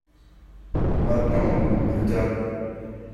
Maintenant ou plus tard ?